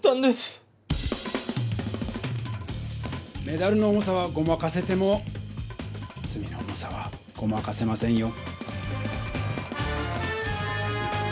メダルの重さはごまかせてもつみの重さはごまかせませんよ。